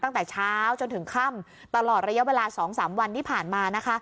ตั้งแต่เช้าจนถึงค่ำตลอดระยะเวลา๒๓วันที่ผ่านมานะคะ